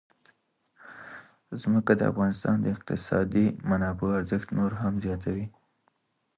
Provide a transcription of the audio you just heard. ځمکه د افغانستان د اقتصادي منابعو ارزښت نور هم زیاتوي.